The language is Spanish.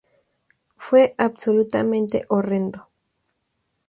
Fue absolutamente horrendo.